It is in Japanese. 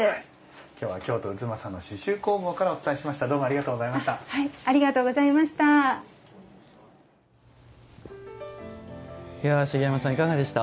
今日は京都・太秦の刺しゅう工房からお伝えしました。